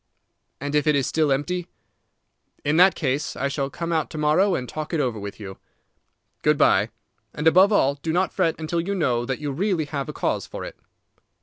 "And if it is still empty?" "In that case I shall come out to morrow and talk it over with you. Good by; and, above all, do not fret until you know that you really have a cause for it."